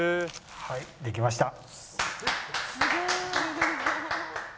はいできました。